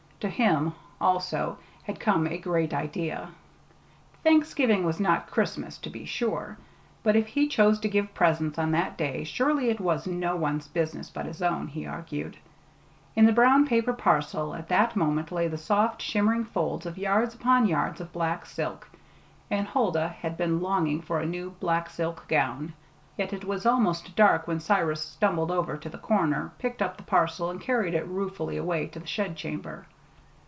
To him, also, had come a great idea. Thanksgiving was not Christmas, to be sure, but if he chose to give presents on that day, surely it was no one's business but his own, he argued. In the brown paper parcel at that moment lay the soft, shimmering folds of yards upon yards of black silk and Huldah had been longing for a new black silk gown. Yet it was almost dark when Cyrus stumbled over to the corner, picked up the parcel, and carried it ruefully away to the shed chamber.